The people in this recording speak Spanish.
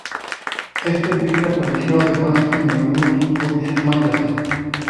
Este buitre apareció además en algunos códices mayas.